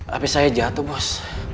handphone saya jatuh bos